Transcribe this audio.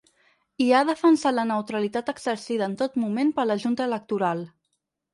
I ha defensat la neutralitat exercida en tot moment per la junta electoral.